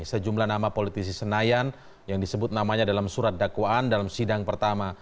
sejumlah nama politisi senayan yang disebut namanya dalam surat dakwaan dalam sidang pertama